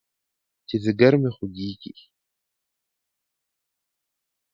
چې ځيگر مې خوږېږي.